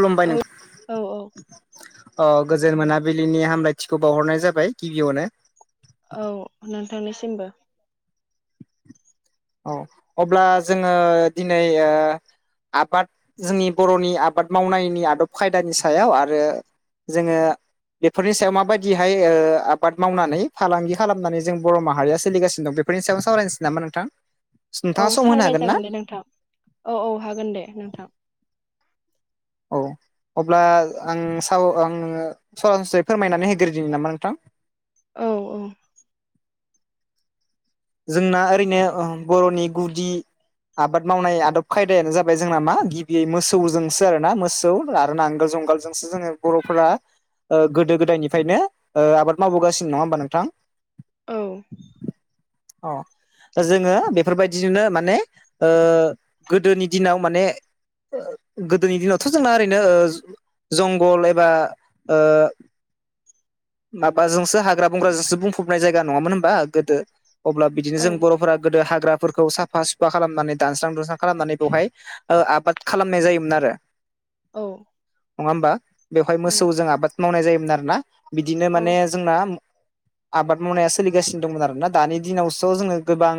खुलुमबाय नों औ औ औ अ गोजोन मोनाबिलिनि हामलायथिखौ बावहरनाय जाबाय गिबियावनो। औ नोंथांनिसिमबो। औ अब्ला जोङो दिनै ओ आबाद जोंनि बर'नि आबाद मावनायनि आदब खायदानि सायाव आरो जोङो बेफोरनि सायाव माबायदिहाय आबाद मावनानै फालांगि खालामनानै जों बर' माहारिया सोलिगासिनो दं बे नि सायाव सावरायनसै नामा नोंथां? औ नोंथाङा सम होनो सावराय हागोन ना जागोन दे नोंथां। औ औ हागोन दे नोंथां। औ अब्ला आं साव आङो सरासस्रायै फोरमायनानै होग्रोदिनि नामा नोंथां? औ औ। जोंना ओरैनो बर'नि गुदि आबाद मावनाय आदब खायदायानो जाबाय जोंना मा गिबियै मोसौजोंसो आरोना मोसौ आरो नांगोल जुंगाल जोंसो जोङो बर'फोरा गोदो गोदायनिफ्रायनो ओ आबाद मावबोगासिनो नङा होमबा नोंथां? औ। अ जोङो बेफोरबायदिजोंनो माने गोदोनि दिनाव माने गोदोनि दिनावथ' जोंना ओरैनो जंगल एबा ओ माबाजोंसो हाग्रा बंग्राजोंसो बुंफबनाय जायगा नङामोन होनबा गोदो। अब्ला बिदिनो औ जों बर'फोरा गोदो हाग्राफोरखौ साफा सुफा खालामनानै दानस्रां दुस्रां खालामनानै बेवहाय आबाद खालामनाय जायोमोन आरो। औ। नङा होमबा बेवहाय मोसौ जों आबाद मावनाय जायोमोन आरोना बिदिनो औ माने जोंना आबाद मावनाया सोलिगासिनो दंमोन आरोना दानि दिनाव स' जोङो गोबां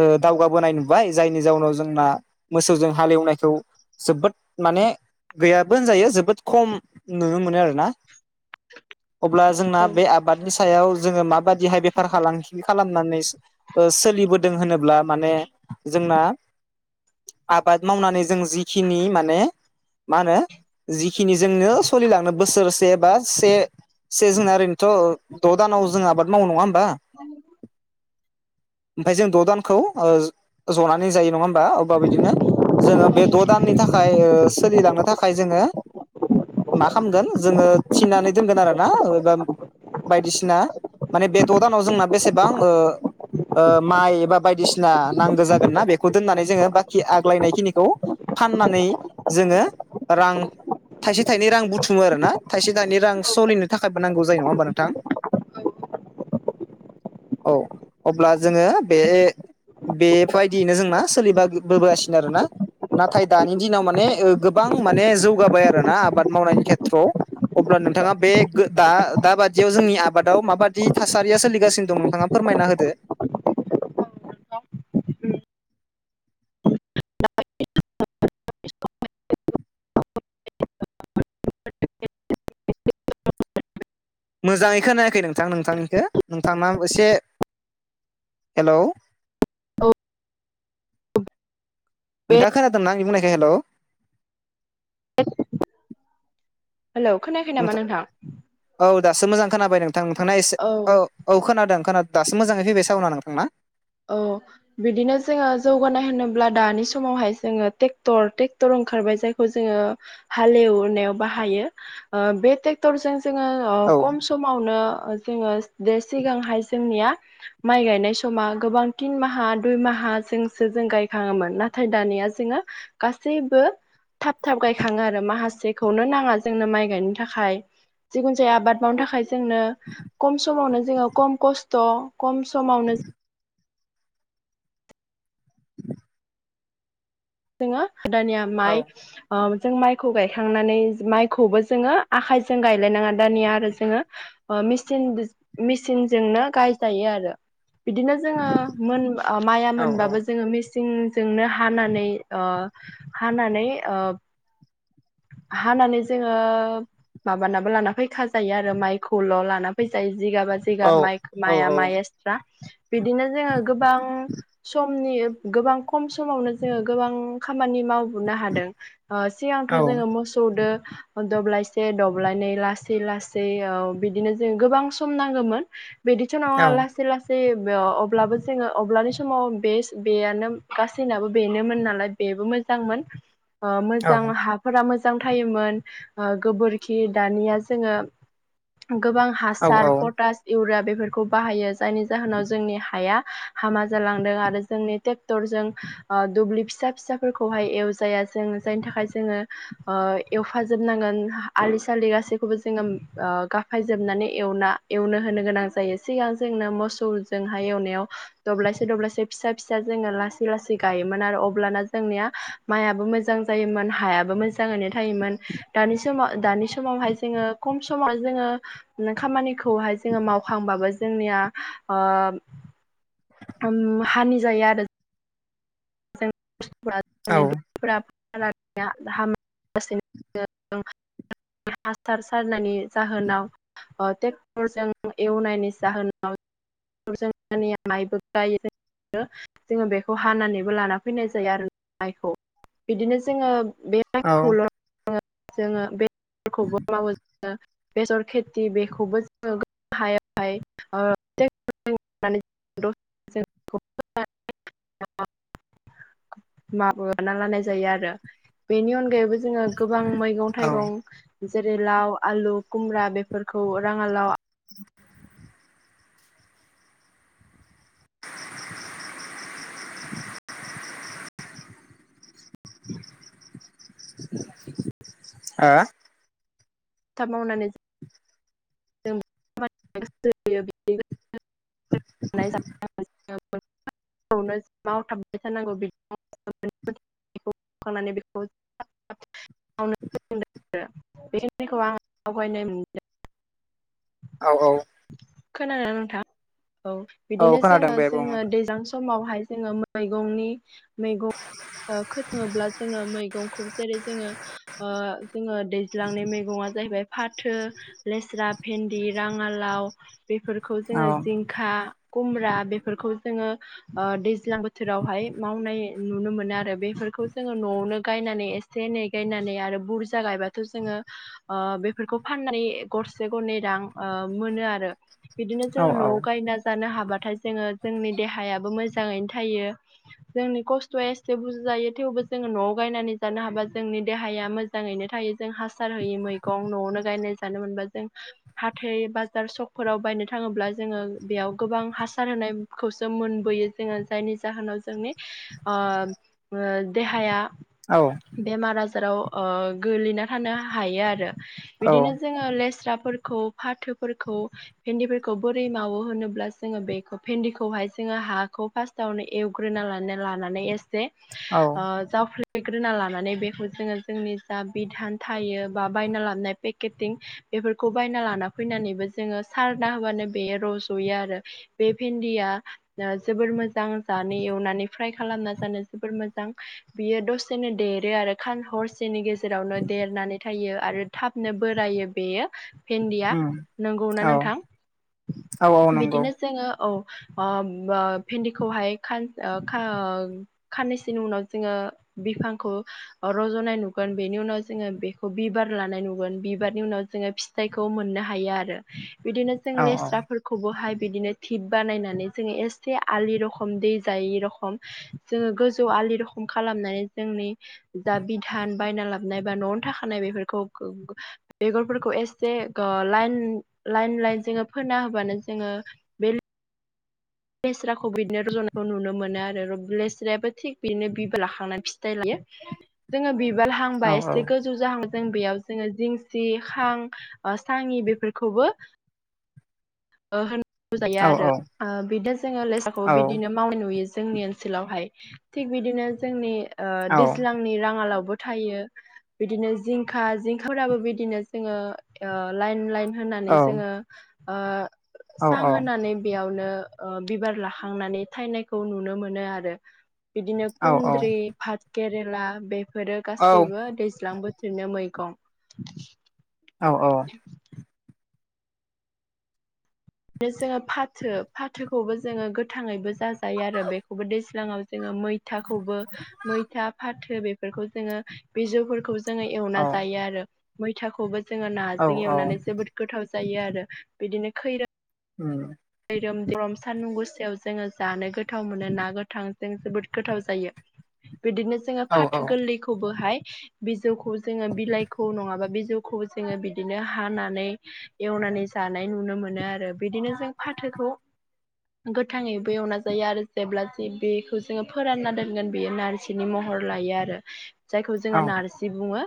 ओ दावगाबोनाय नुबाय जायनि जाउनाव जोंना मोसौजों हालेवनायखौ जोबोद माने गैयाबो होनजायो जोबोद खम नुनो मोनो आरोना। अब्ला जोंना औ बे आबादनि सायाव जोङो माबादिहाय बेफार फालांगि खालामनानै स ओ सोलिबोदों होनोब्ला माने जोंना आबाद मावनानै जों जिखिनि माने मा होनो जिखिनि जोंनो सलिलांनो बोसोरसे बा से से जोंना ओरै थ' द' दानाव जोंहा आबाद मावनाय नङा होमबा? [inaudible] ओमफाय जों द' दानखौ ओ ज'नानै जायो नङा होम बा अबा बिदिनो जोङो बे द' दाननि थाखाय ओ सोलिलांनो थाखाय जोङो मा खालामगोन जोङो थिनानै दोनगोन आरोना एबा बायदिसिना माने बे द' दानाव जोंना बेसेबां ओ ओ माइ एबा बायदिसिना नांगौ जागोन ना बेखौ दोननानै जोङो ब खि आग्लायनाय खिनिखौ फाननानै जोङो रां थाइसे थाइनै रां बुथुमो आरोना। थाइसे थाइनै रां सोलिनो थाखायबो नांगौ जायो नङा होमबा नोंथां। [inaudible] [inaudible] औ अब्ला जोङो बे बेबायदियैनो जोंना सोलिबाबोगासिनो आरोना। नाथाय दानि दिनाव माने ओ गोबां माने जौगाबाय आरो ना आबाद मावनायनि खेथ्र'आव। अब्ला नोंथाङा बे गो दा दा बादियाव जोंनि आबादाव माबादि थासारिया सोलिगासिनो दं नोंथाङा फोरमायना होदो। मोजाङै खोनायाखै नोंथां नोंथांनिखो। नोंथांना एसे हेलौ नोंथा खोनादों ना आंनि बुंनायखौ हेल'? [inaudible] हेल' खोनायाखै नामा नोंथां? औ दासो मोजां खोनाबाय नोंथां। नोंथांना एसे औ औ खोनादों खोनादों दासो मोजाङै फैबाय सावना नोंथांना। औ। बिदिनो जोङो जौगानाय होनोब्ला दानि समावहाय जोङो ट्रेक्टर ट्रेक्टर ओंखारबाय जायखौ जोङो हाल एवनायाव बाहायो ओ बे ट्रेक्टरजों जोङो औ खम सम समावनो जोङो दे सिगांहाय जोंनिया माइ गायनाय समा गोबां तिन माहा दुइ माहाजोंसो जों गायखाङोमोन। नाथाय दानिया जोङो गासैबो थाब थाब गायखाङो आरो माहासेखौनो नाङा जोंनो माइ गायनो थाखाय। जिखुन जाया आबाद मावनो थाखाय जोंनो खम समावनो जोङो खम खस्थ' खम समावनो जों जोङो दानिया औ माइ ओ जों माइखौ गायखांनानै माइखौबो जोङो आखायजों गायलायनाङा दानिया आरो जोङो ओ मिसिन मेसिनजोंनो गायजायो आरो। बिदिनो जोङो मोन माइआ औ मोनबाबो जोङो मेसिंजोंनो हानानै ओ हानानै ओ हानानै जोङो माबानाबो लाना फैखा जायो आरो माइखौल' लाना फैजायो। जिगाबा औ जिगाब माइ औ माया माइ एक्सट्रा बिदिनो जोङो गोबां समनि गोबां खम समावनो जोङो गोबां खामानि मावबोनो हादों। ओ सिगांथ' औ जोङो मोसौदो दब्लायसे दब्लायनै लासै लासै औ बिदिनो जों गोबां सम नांगौमोन। बिदिथ' औ नङा लासै लासै लासै बेव अब्लाबो जोङो अब्लानि समाव बे बेयानो गासैनाबो बेनोमोन नालाय बेबो मोजांमोन ओ औ मोजां हा फोर मोजां थायोमोन ओ गोबोरखि दानिया जोङो गोबां औ हासार, पटास, इउरिया बेफोरखौ बाहायो जायनि जाहोनाव जोंनि हाया हामा जालांदों आरो जोंनि ट्रेक्टरजों ओ दुब्लि फिसा फिसाफोरखौहाय एवजाया जोंङो जायनि थाखाय जोङो ओ एवफाजोबनांगोन आलि सालि गासैखौबो जोङो ओ गाफायजोबनानै एवना एवनो होनो गोनां जायो सिगां जोंनो मोसौजोंहाय एवनायाव दब्लायसे दब्लायसे फिसा फिसा जोङो लासै लासै गायोमोन आरो अब्लाना जोंनिया माइआबो मोजां जायोमोन हायाबो मोजाङैनो थायोमोन। दानि समाव दानि समावहाय जोङो खम समाव जोङो खामानिखौहाय जोङो मावखांबाबो जोंनिया ओ ओम हानि जायो आरो [unintelligible] हासार सारनायनि जाहोनाव ओ ट्रेक्टरजों एवनायनि जाहोनाव जोंया माइबो गायो जोङो बेखौ हानानैबो लाना फै फैनाय जायो आरो माइखौ। बिदिनो जोङो बेखौल' जोङो बेरखौबो मावो जोङो बेसर खेथि बेखौबो जोङो हायावहाय ओ माबाना लानाय जायो आरो। बेनि अनगायैबो जोङो गोबां मैगं थाइगं जेरै लाव, आलु, खुमब्रा बेफोरखौ राङालाव [inaudible] [inaudible] हा? थाब मावनानै जों [unintelligible] मावथाबबाय थानांगौ [unintelligible] बेखौ फोखांनानै बेखौ बेखिनिखौ आं आवगायनाय मोनदों। औ औ। खोनादों ना नोंथां औ औ बिदिनो खोनादों जोङो दे बुं औ जोङो दैज्लां सं समावहाय जोङो मैगंनि मैगं ओ खोथाङोब्ला जोङो मैगंखौ जेरै जोङो ओ जोङो दैज्लांनाय मैगंआ जाहैबाय फाथो लेस्रा भेन्दि, राङालाव बेफोरखौ जोङो जिं खा खुमब्रा बेफोरखौ जोङो ओ दैज्लां बोथोरावहाय मावनाय नुनो मोनो आरो बेफोरखौ जोङो न'आवनो गायनानै एसे से एनै गायनानै आरो बुरजा गायबाथ' जोङो ओ बेफोरखौ फाननानै गरसे से गरनै रां ओ मोनो आरो बिदिनो औ जोङो न'आव गायना जानो हाबा थाय जोङो जोंनि देहायाबो मोजाङैनो थायो। जोंनि खस्थ'आ एसे बुर जायो थेवबो जोङो न'आव गायनानै जानो हाबा जोंनि देहाया मोज मोजाङैनो थायो जों हासार होययो मैगं न'आवनो गायनाय जानो मोनबा जों हाथाइ बाजार सकफोराव बायनो थाङोब्ला जोङो बेयाव गोबां हासार होनाय खौसो मोनबोयो जोङो जायनि जाहोनाव जोंनि ओ ओ देहाया औ। बेमार आजाराव ओ गोग्लैना थानो हायो आरो। औ बिदिनो जोङो लेस्राब फोरखौ फाथोफोरखौ भेन्दिफोरखौ बोरै मावो होनोब्ला जोङो बेखौ भेन्दिखौहाय जोङो हाखौ फार्स्ट आवनो एवग्रोना लाना लानानै एसे औ जावफ्लेग्रोना लानानै बेखौ जोङो जोंनि जा बिधान थायो बा बायना लाबनाय केटिं बेफोरखौ बायना लाना फैनानैबो जोङो सारना होबानो बे रज'यो आरो। बे भिन्दिया जोबोर मोजां जानो एवनानै फ्राय खालामना जानो जोबोर मोजां। बियो दसेनो देरो आरो हरसेनि गेजेराव ज जेरावनो देरनानै थायो आरो थाबनो बोरायो बेयो। भेन्दिया उम नंगौना औ नोंथां। औ औ नंगौ बिदिनो जोङो औ। अ अ भिन्दिखौहाय खाननैसोनि उनाव जोङो बिफांखौ रज'नाय नुगोन। बेनि उनाव जोङो बेखौ बिबार लानाय नुगोन। बिबारनि उनाव जोङो फि फिथाइखौ मोननो हायो आरो। बिदिनो जों औ लेस्रा खौबोहाय बिदिनो थिप बानायनानै जोङो एसे आलि रखम दै जायै रखम जोङो गोजौ आलि रखम खालामनानै जोंनि जा बिधान बायना लाबनाय बा न'आवनो थाखानाय बेफोरखौ बेगरफोरखौ एस जे लाइन लाइन लाइन जोङो फोना होबानो जोङो बे लेस्राखौ बिदिनो रज'नायखौ नुनो मोनो आरो। लेस्रायाबो थिग बिदिनो बिबार लाखांनानै फिथाइ लायो। जोङो बिबार औ हांबा एसे गो जाहां जों बेयाव जोङो जिंसि सां साङि बेफोरखौबो होनांगौ जायो औ आरो बिदि जोङो लेस्राखौ औ बिदिनो मावनाय नुयो जोंनि ओनसोलावहाय। थिक बिदिनो जोंनि दैज्लां आंनि राङालावबो थायो। बिदिनो जिंखा जिंखाफोराबो बिदिनो जोङो लाइन लाइन होननानै जोङो सां औ औ होनानै बेयावनो बिबार लाखांनानै थायनायखौ नुनो मोनो आरो। बिदिनो खुन्द्रि, पाथ केरेला बेफोरो गासैबो दैज्लां बोथोर बिदिनो मैगं औ औ। [inaudible] बिदिनो जोङो फाथो फाथोखौबो जोङो गोथाङैबो जाजायो आरो। बेखौबो दैज्लाङाव जोङो मै थाखौबो मैथा फाथो बेफोरखौ जोङो बिजौफोरखौ जोङो औ एवना जायो आरो। मैथाखौबो जोङो नाजों एवनानै जोबोद गोथाव जायो आरो। बिदिनो खैरो [inaudible] रोम दरम सान्दुं गुसायाव जोङो जानो गोथाव मोनो ना गोथांजों जोबोद गोथाव जायो। बिदिनो जोङो औ फाथो गोरलैखौबोहाय बिजौखौ जोङो बिलाइखौ नङाबा बिजौखौ जोङो बिदिनो हानानै एवनानै जानाय नुनो मोनो आरो। बिदिनो जों फाथोखौ गोथाङैबो एवना जायो आरो जेब्ला ज बेखौ जोङो फोरानना दोनगोन बेयो नारजि बिनि महर लायो आरो। जायखौ औ जोङो नारजि बुङो।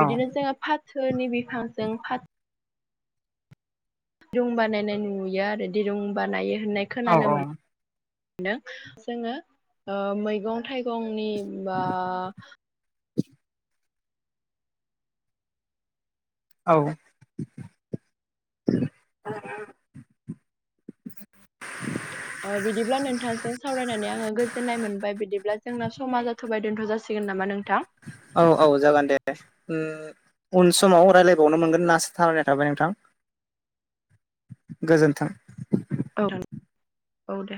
औ बिदिनो जोङो फाथोनि बिफांजों दिरुं बानायनाय नुयो आरो। दिरुं बानायो होननाय औ खोनानो मोनो। जोङो मैगं थाइगंनि बा औ। बिदिब्ला नोंथांजों सावरायनानै आङो गोजोननाय मोनबाय बिदिब्ला जोंना समा जाबाय दोनथ' जासिगोन नामा नोंथां। औ औ जागोन दे। उन समाव रायज्लायबावनो मोनगोन होनना आसा खालानाय थाबाय नोंथां। गोजोन्थों। औ औ दे।